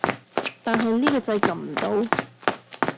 但係呢個掣撳唔到